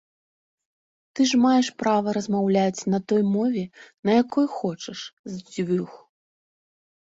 Ты ж маеш права размаўляць на той мове, на якой хочаш, з дзвюх.